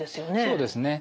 そうですね。